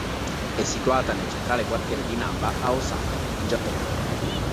È situata nel centrale quartiere di Namba a Osaka, in Giappone.